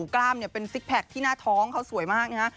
กล้ามเนี่ยเป็นซิกแพคที่หน้าท้องเขาสวยมากนะฮะ